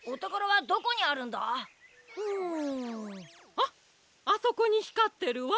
あっあそこにひかってるわ。